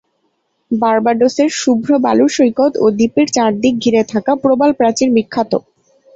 বার্বাডোসের শুভ্র বালুর সৈকত ও দ্বীপের চারদিক ঘিরে থাকা প্রবাল প্রাচীর বিখ্যাত।